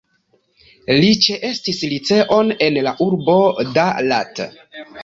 Li ĉeestis liceon en la urbo Da Lat.